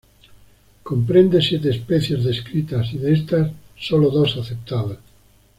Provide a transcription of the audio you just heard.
Comprende siete especies descritas y de estas, solo dos aceptadas.